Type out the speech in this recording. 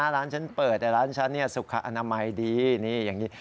ร้านฉันเปิดแต่ร้านฉันสุขอนามัยดีนี่อย่างนี้